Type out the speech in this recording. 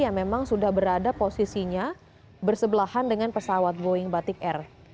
yang memang sudah berada posisinya bersebelahan dengan pesawat boeing batik air